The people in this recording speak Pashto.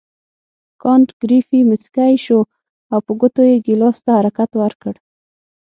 کانت ګریفي مسکی شو او په ګوتو یې ګیلاس ته حرکت ورکړ.